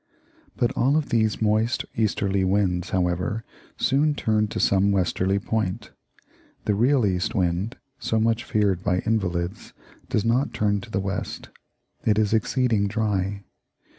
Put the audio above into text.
But all of these moist easterly winds, however, soon turn to some westerly point. The real east wind, so much feared by invalids, does not turn to the west; it is exceeding dry.